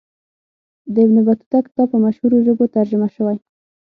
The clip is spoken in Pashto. د ابن بطوطه کتاب په مشهورو ژبو ترجمه سوی.